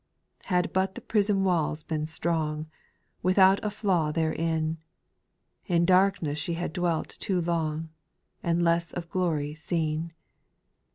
5. Had but the prison walls been strong, Without a flaw therein. In darkness she had dwelt too long, And less of glory seen.